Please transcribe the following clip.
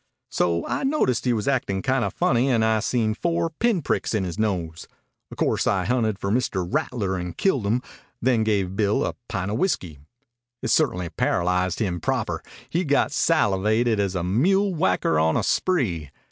"... so I noticed he was actin' kinda funny and I seen four pin pricks in his nose. O' course I hunted for Mr. Rattler and killed him, then give Bill a pint of whiskey. It ce'tainly paralyzed him proper. He got salivated as a mule whacker on a spree.